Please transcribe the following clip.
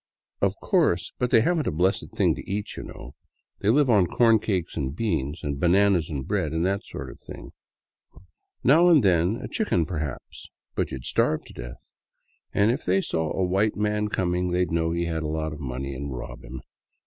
Of course, but they haven't a blessed thing to eat, y' know. They live on corn cakes and beans, and bananas and bread, and that sort of thing. Now and then a chicken perhaps, but you 'd starve to death. And if they saw a white man coming, they 'd know he had a lot of money and rob him.